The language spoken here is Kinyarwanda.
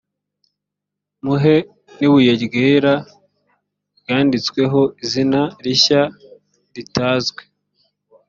muhe n ibuye ryera ryanditsweho izina rishya ritazwi